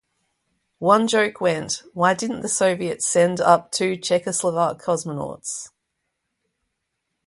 One joke went: Why didn't the Soviets send up two Czechoslovak cosmonauts?